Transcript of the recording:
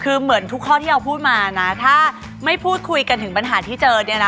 คือเหมือนทุกข้อที่เราพูดมานะถ้าไม่พูดคุยกันถึงปัญหาที่เจอเนี่ยนะ